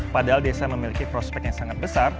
padahal desa memiliki prospek yang sangat besar